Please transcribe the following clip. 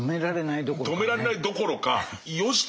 止められないどころかね。